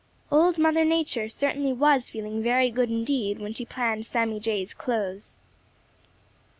Old Mother Nature certainly was feeling very good indeed when she planned Sammy Jay's clothes.